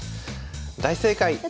大正解！